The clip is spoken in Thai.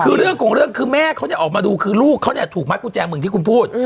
คือเรื่องของเรื่องคือแม่เขาเนี่ยออกมาดูคือลูกเขาเนี่ยถูกมัดกุญแจเหมือนที่คุณพูด